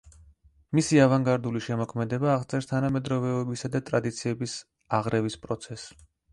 მისი ავანგარდული შემოქმედება აღწერს თანამედროვეობისა და ტრადიციების აღრევის პროცესს.